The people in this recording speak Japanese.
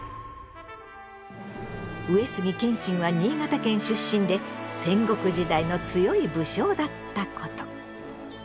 上杉謙信は新潟県出身で戦国時代の強い武将だったこと。